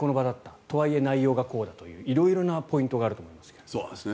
とはいえ内容がこうだという色々なポイントがあると思いますが。